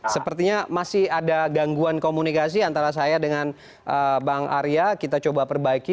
sepertinya masih ada gangguan komunikasi antara saya dengan bang arya kita coba perbaiki